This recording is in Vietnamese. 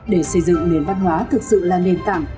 để xây dựng nền văn hóa thực sự là nền tảng